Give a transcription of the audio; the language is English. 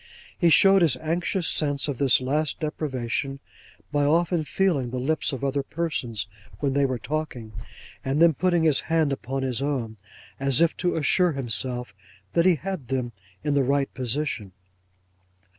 He showed his anxious sense of this last deprivation, by often feeling the lips of other persons when they were talking, and then putting his hand upon his own, as if to assure himself that he had them in the right position.